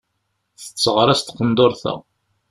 Tetteɣraṣ tqendurt-a.